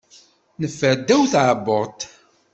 Neffer ddaw tdabut.